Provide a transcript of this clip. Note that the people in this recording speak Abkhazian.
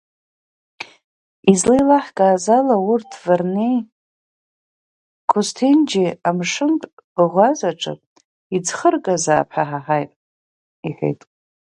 Излеилаҳкааз ала урҭ Варнеи, Қосҭенџьеи амшынтә баӷуазаҿы иӡхыргазаап ҳәа ҳаҳаит, — иҳәеит.